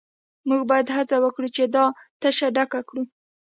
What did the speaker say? موږ باید هڅه وکړو چې دا تشه ډکه کړو